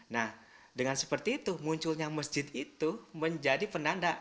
nah dengan seperti itu munculnya masjid itu menjadi penanda